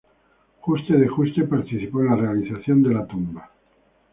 Juste de Juste participó en la realización de la tumba.